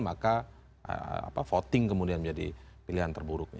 maka voting kemudian menjadi pilihan terburuk